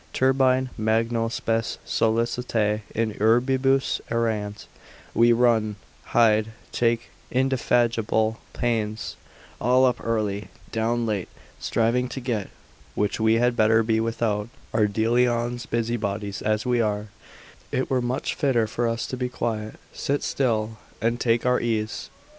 Turbine magno spes solicitae in urbibus errant; we run, ride, take indefatigable pains, all up early, down late, striving to get that which we had better be without, (Ardelion's busybodies as we are) it were much fitter for us to be quiet, sit still, and take our ease.